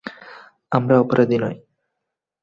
আমরা অপরাধী নই।